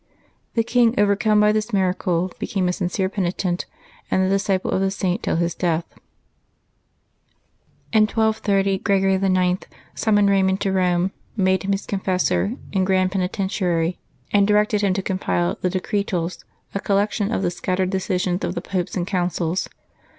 The king, overcome by this miracle, became a sincere penitent and the disciple of the Saint till his death. In 1230, 46 LIVES OF THE SAINTS [January 24 Gregory IX. F:"uinmoned Eaymund to Rome, made him liis confessor and grand penitentiary, and directed him to compile " The Decretals/' a collection of the scattered de cisions of the Popes and Councils.